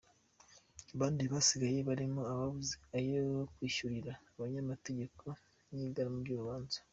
Abandi basigaye barimo ababuze ayo kwiyishyurira abanyamategeko n’igarama ry’urubanza.